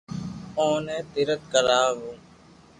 اوني بي تيرٿ ڪراوُ